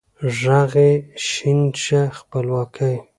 ږغ د ې شین شه خپلواکۍ